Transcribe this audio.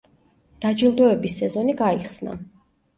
დაჯილდოების სეზონი გაიხსნა.